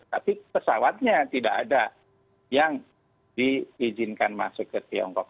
tapi pesawatnya tidak ada yang diizinkan masuk ke tiongkok